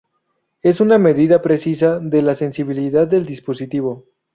Es una medida precisa de la sensibilidad del dispositivo.